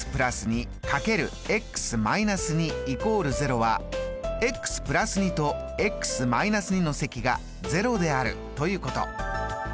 ＝０はとの積が０であるということ。